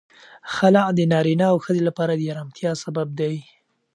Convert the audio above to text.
خلع د نارینه او ښځې لپاره د آرامتیا سبب دی.